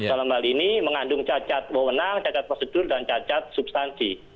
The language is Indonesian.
dalam hal ini mengandung cacat wewenang cacat prosedur dan cacat substansi